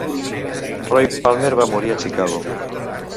Roy Palmer va morir a Chicago.